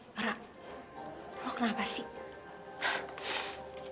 laura lu kenapa sih